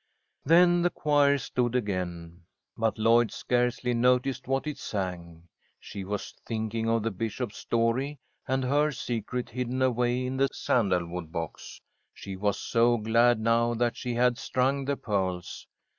Then the choir stood again, but Lloyd scarcely noticed what it sang. She was thinking of the bishop's story, and her secret hidden away in the sandalwood box. She was so glad now that she had strung the pearls.